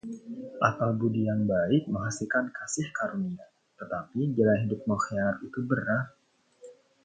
Akal budi yang baik menghasilkan kasih karunia, tetapi jalan hidup pengkhianat itu berat.